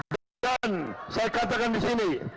dan saya katakan disini